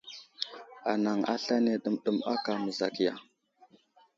Anaŋ aslane ɗəmɗəm aka məzakiya.